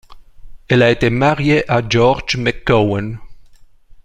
Elle a été mariée à George McCowan.